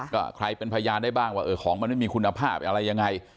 ก็ใครเป็นพยานได้บ้างว่าเออของมันไม่มีคุณภาพอะไรยังไง